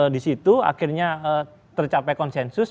disitu akhirnya tercapai konsensus